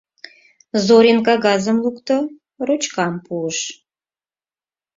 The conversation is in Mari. Зорин кагазым лукто, ручкам пуыш.